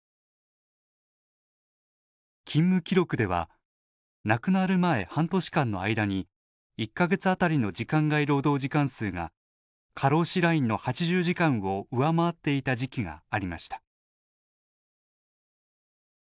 勤務記録では、亡くなる前半年間の間に１か月あたりの時間外労働時間数が過労死ラインの８０時間を上回っていた時期がありました。